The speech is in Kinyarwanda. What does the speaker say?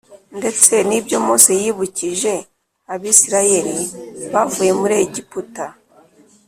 ndetse n’ibyo Mose yibukije Abisirayeli bavuye muri Egiputa,